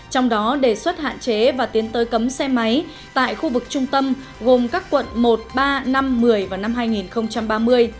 trong đó đề xuất hạn chế và tiến tới cấm xe máy tại khu vực trung tâm gồm các quận một ba năm một mươi và năm hai nghìn ba mươi